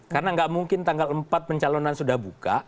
karena tidak mungkin tanggal empat pencalonan sudah buka